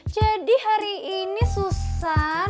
tidak ada yang bisa dikendalikan